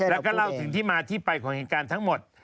แล้วก็เล่าถึงที่มาที่ไปของเหตุการณ์ทั้งหมด